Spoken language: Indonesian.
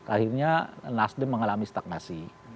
akhirnya nasdem mengalami stagnasi